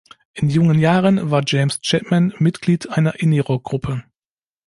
In jungen Jahren war James Chapman Mitglied einer Indie-Rockgruppe.